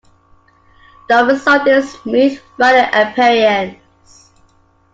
The result is a smooth, rounded appearance.